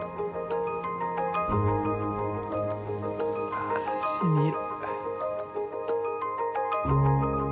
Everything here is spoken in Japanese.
ああしみる。